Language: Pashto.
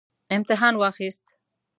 امتحان واخیست